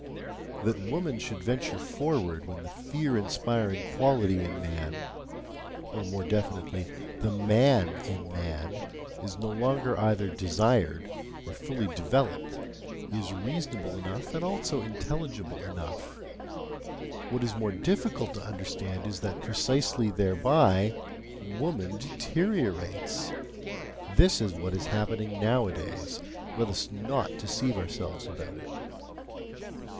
That woman should venture forward when the fear inspiring quality in man or more definitely, the MAN in man is no longer either desired or fully developed, is reasonable enough and also intelligible enough; what is more difficult to understand is that precisely thereby woman deteriorates. This is what is happening nowadays: let us not deceive ourselves about it!